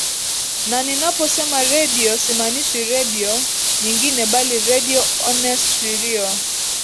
Na ninaposema Radio simaanishi Radio nyingine bali Radio One Stereo